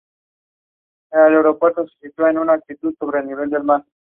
Aquí tuvo muchos problemas de disciplina.